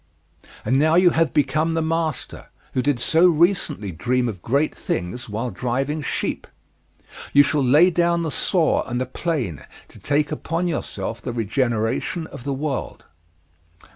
And now you have become the master, who did so recently dream of great things while driving sheep. You shall lay down the saw and the plane to take upon yourself the regeneration of the world."